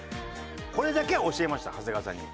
これだけは教えました長谷川さんに。